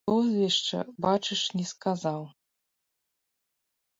Прозвішча, бачыш, не сказаў!